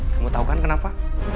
kamu tahu kan kenapa